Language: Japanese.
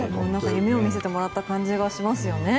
夢を見せてもらった感じがしますね。